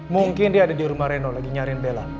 mungkin dia ada di rumah reno lagi nyariin bela